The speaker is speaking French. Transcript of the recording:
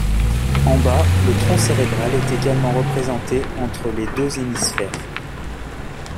En bas, le tronc cérébral est également représenté entre les deux hémisphères.